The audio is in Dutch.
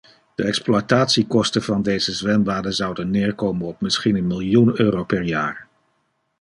De exploitatiekosten van deze zwembaden zouden neerkomen op misschien een miljoen euro per jaar.